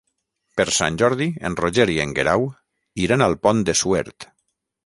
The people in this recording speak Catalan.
Per Sant Jordi en Roger i en Guerau iran al Pont de Suert.